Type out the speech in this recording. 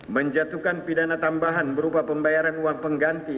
menjatuhkan pidana tambahan berupa pembayaran uang pengganti